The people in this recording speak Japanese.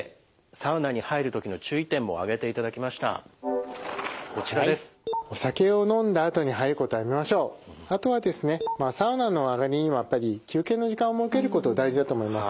サウナの上がりにはやっぱり休憩の時間を設けること大事だと思います。